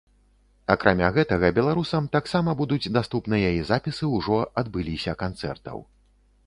Акрамя гэтага беларусам таксама будуць даступныя і запісы ўжо адбыліся канцэртаў.